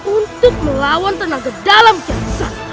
untuk melawan tenaga dalam jasa